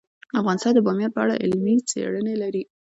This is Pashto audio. افغانستان د بامیان په اړه علمي څېړنې لري.